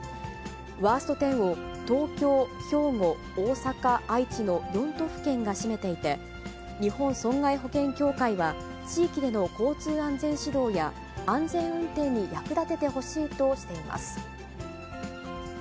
ワースト１０を東京、兵庫、大阪、愛知の４都府県が占めていて、日本損害保険協会は、地域での交通安全指導や、安全運転に役立ててほしいとしています。